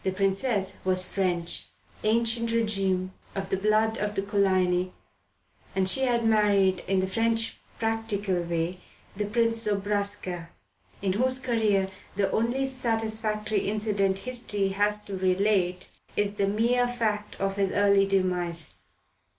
The Princess was French, ancien regime, of the blood of the Coligny, and she had married, in the French practical way, the Prince Zobraska, in whose career the only satisfactory incident history has to relate is the mere fact of his early demise.